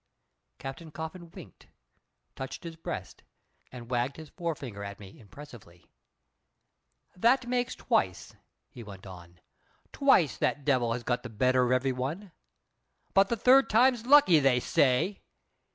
Captain Coffin winked, touched his breast, and wagged his forefinger at me impressively. "That makes twice," he went on. "Twice that devil has got the better of every one. But the third time's lucky, they say.